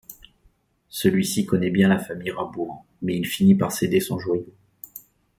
Celui-ci connait bien la famille Rabouan, mais il finit par céder son joyau...